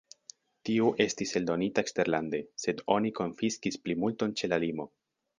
Tiu estis eldonita eksterlande, sed oni konfiskis plimulton ĉe la limo.